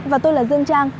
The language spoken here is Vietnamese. và tôi là dương trang